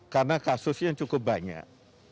karena kasusnya cukup banyak